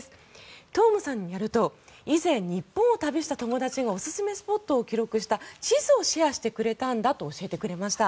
トーマスさんによると以前、日本を旅した友達がおすすめスポットを記録した地図をシェアしてくれたんだと教えてくれました。